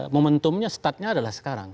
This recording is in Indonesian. momentumnya statnya adalah sekarang